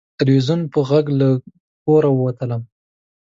تلویزیون په غېږ له کوره ووتلم